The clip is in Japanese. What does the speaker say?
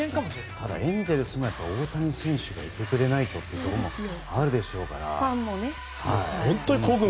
エンゼルスに大谷選手がいてくれないとというのがあるでしょうから。